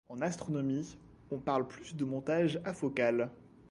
En astronomie, on parle plus de montage afocal.